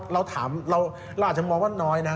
เราถามเราอาจจะมองว่าน้อยนะ